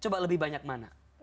coba lebih banyak mana